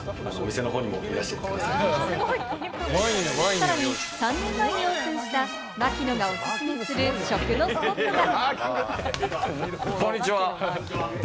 さらに３年前にオープンした、槙野がおすすめする、食のスポットが。